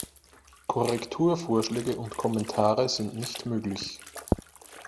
Korrekturvorschläge und Kommentare sind nicht möglich.